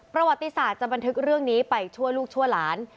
ประวัติศาสตร์จะบันทึกเรื่องนี้ไปชั่วลูกชั่วหลาน